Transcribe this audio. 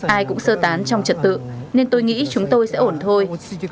ai cũng sơ tán trong trật tự nên tôi nghĩ chúng tôi sẽ ổn thôi